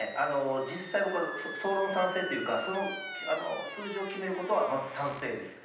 実際、僕は総論賛成というか、その数字を決めることは、まず賛成です。